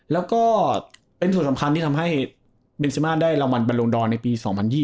แล้วก็เป็นส่วนสำคัญที่ทำให้เบนซิมาได้รางวัลบรรลงดอนในปี๒๐๒๐